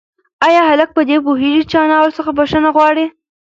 ایا هلک په دې پوهېږي چې انا ورڅخه بښنه غواړي؟